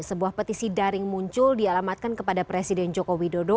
sebuah petisi daring muncul dialamatkan kepada presiden jokowi dodo